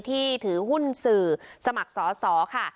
ที่ถือหุ้นสื่อสมัครสอสอค่ะ